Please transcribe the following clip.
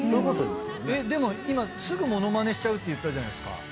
でも今すぐものまねしちゃうって言ったじゃないですか。